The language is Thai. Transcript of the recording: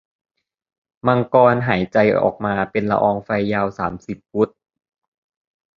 มังกรหายใจออกมาเป็นละอองไฟยาวสามสิบฟุต